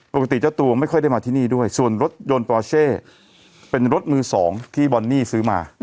ปกติเจ้าตัวไม่ค่อยได้มาที่นี่ด้วยส่วนรถยนต์ปอเช่เป็นรถมือสองที่บอนนี่ซื้อมา